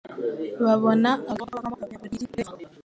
babona abagabo nk'abavamo abanyapolitiki beza